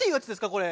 これ。